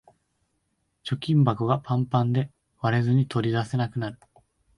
貯金箱がパンパンで割れずに取り出せなくなる